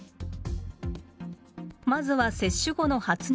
まずは接種後の発熱。